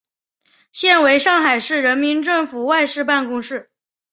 现为上海市人民政府外事办公室。